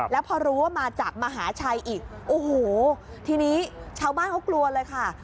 แล้วพอรู้ว่ามาจากมหาชัยอีกโอ้โหทีนี้ชาวบ้านเขากลัวเลยค่ะ